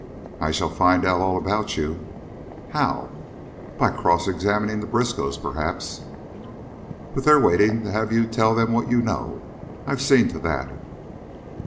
"I shall find out all about you." "How?" "By cross examining the Briskows, perhaps." "But they're waiting to have you tell them what you know. I've seen to that."